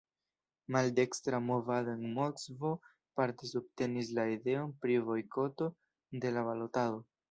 Maldekstra movado en Moskvo parte subtenis la ideon pri bojkoto de la balotado.